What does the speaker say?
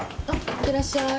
いってらっしゃい。